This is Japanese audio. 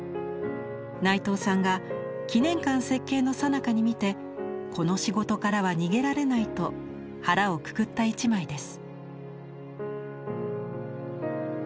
内藤さんが記念館設計のさなかに見て「この仕事からは逃げられない」と腹をくくった一枚です。